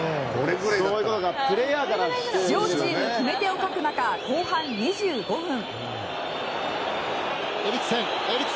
両チーム決め手を欠く中後半２５分。